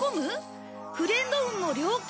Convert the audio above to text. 「フレンド運も良好！」